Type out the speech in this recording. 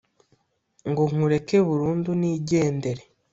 ngo nkureke burundu nigendere